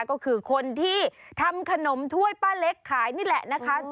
ก็คือคนที่ทำขนมถ้วยป้าเล็กขายนี่แหละนะคะ